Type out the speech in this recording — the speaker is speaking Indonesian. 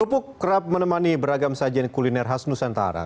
kerupuk kerap menemani beragam sajian kuliner khas nusantara